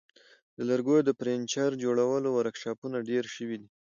د لرګیو د فرنیچر جوړولو ورکشاپونه ډیر شوي دي.